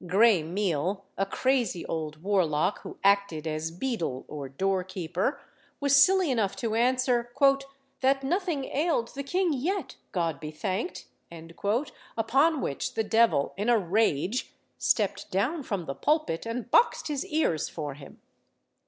Gray Meill, a crazy old warlock, who acted as beadle or door keeper, was silly enough to answer "that nothing ailed the king yet, God be thanked;" upon which the devil, in a rage, stepped down from the pulpit and boxed his ears for him.